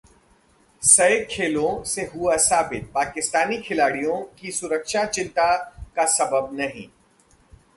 ‘सैग खेलों से हुआ साबित, पाकिस्तानी खिलाड़ियों की सुरक्षा चिंता का सबब नहीं’